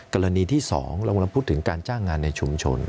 กรณีที่๒เรากำลังพูดถึงการจ้างงานในชุมชน